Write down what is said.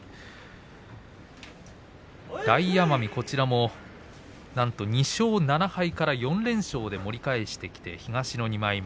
大奄美なんと２勝７敗から４連勝で盛り返してきて東の２枚目。